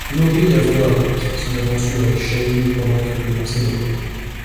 Lori avoue à Rick son aventure avec Shane pendant qu'elle le pensait mort.